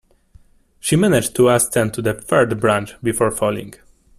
She managed to ascend to the third branch, before falling.